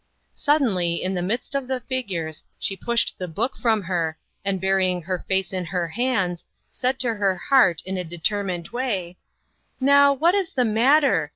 Suddenly, in the midst of the figures, she pushed the book from her, and burj ing her face in her hands, said to her heart in a determined way :" Now, what is the matter